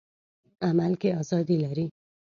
عمل کې ازادي لري.